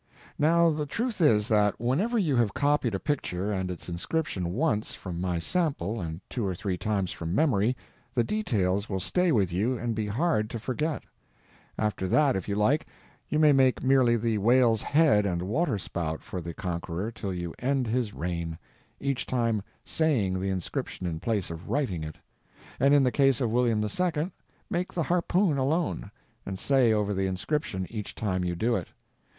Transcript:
Now the truth is that whenever you have copied a picture and its inscription once from my sample and two or three times from memory the details will stay with you and be hard to forget. After that, if you like, you may make merely the whale's head and water spout for the Conqueror till you end his reign, each time _saying _the inscription in place of writing it; and in the case of William II. make the _harpoon _alone, and say over the inscription each time you do it.